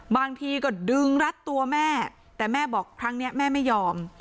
บางทีก็ดึงรัดตัวแม่แต่แม่บอกครั้งนี้แม่ไม่ยอม